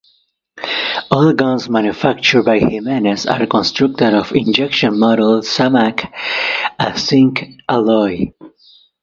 All guns manufactured by Jimenez are constructed of injection-molded Zamak, a zinc alloy.